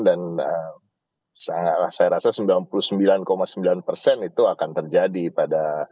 dan saya rasa sembilan puluh sembilan sembilan itu akan terjadi pada